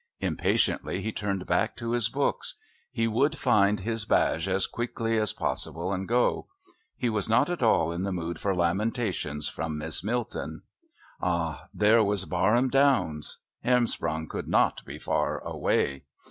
Impatiently he turned back to his books; he would find his Bage as quickly as possible and go. He was not at all in the mood for lamentations from Miss Milton. Ah! there was Barham Downs. Hermsprong could not be far away.